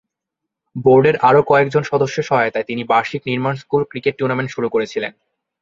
বোর্ডের আরও কয়েকজন সদস্যের সহায়তায় তিনি বার্ষিক নির্মান স্কুল ক্রিকেট টুর্নামেন্ট শুরু করেছিলেন।